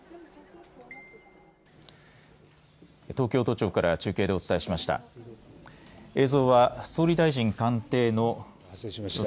東京都庁から中継でお伝えしました。